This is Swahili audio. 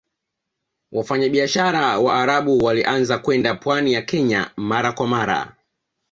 Wafanyabiashara Waarabu walianza kwenda pwani ya Kenya mara kwa mara